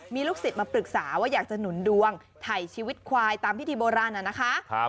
มีลูกศิษย์มาปรึกษาว่าอยากจะหนุนดวงถ่ายชีวิตควายตามพิธีโบราณน่ะนะคะ